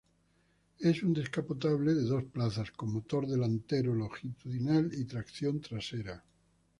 Es un descapotable de dos plazas con motor delantero longitudinal y tracción trasera.